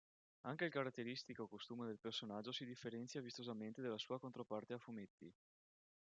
Anche il caratteristico costume del personaggio si differenzia vistosamente dalla sua controparte a fumetti.